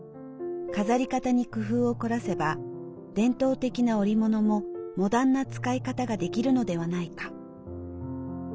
飾り方に工夫を凝らせば伝統的な織物もモダンな使い方ができるのではないか。